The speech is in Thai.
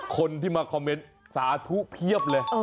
คนที่มาคอมเมนต์สาธุเพียบเลย